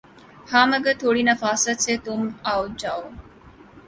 ہاں مگر تھوڑی نفاست سے تُم آؤجاؤ